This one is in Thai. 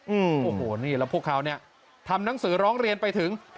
โอ้โหนี่แล้วพวกเขาเนี่ยทำหนังสือร้องเรียนไปถึง